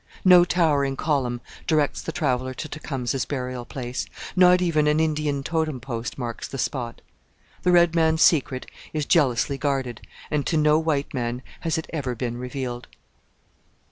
No towering column directs the traveller to Tecumseh's burial place; not even an Indian totem post marks the spot. The red man's secret is jealously guarded and to no white man has it ever been revealed.